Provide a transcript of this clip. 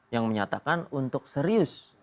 yang menyatakan untuk serius